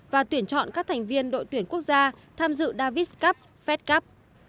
và tuyển chọn các thành viên đội tuyển quốc gia tham dự davis cup fest cup